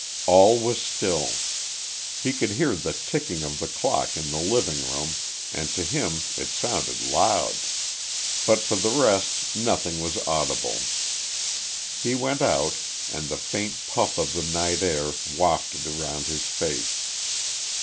All was still. He could hear the ticking of the clock in the living room, and to him it sounded loud. But for the rest nothing was audible. He went out, and the faint puff of the night air wafted round his face.